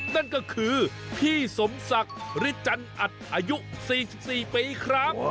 นั่นก็คือพี่สมศักดิ์ฤจันอัดอายุ๔๔ปีครับ